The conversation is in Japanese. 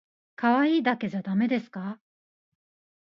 可愛いだけじゃだめですか？